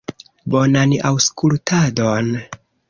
Bonan aŭskultadon!